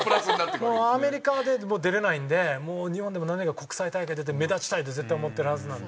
もうアメリカで出れないんで日本でも何か国際大会出て目立ちたいって絶対思ってるはずなんで。